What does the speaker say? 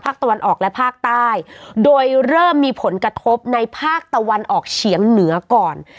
ตะวันออกและภาคใต้โดยเริ่มมีผลกระทบในภาคตะวันออกเฉียงเหนือก่อน